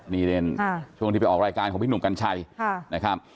นี่ช่วงที่ไปออกรายการของพี่หนุ่มกัญชัยนะครับ